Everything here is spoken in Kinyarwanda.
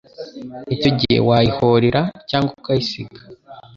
icyo gihe wayihorera cyangwa ukayisiga